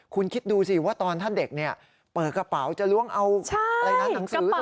คุณคิดดูสิว่าตอนท่านเด็กเปิดกระเป๋าจะล้วงเอาอะไรนะหนังสือ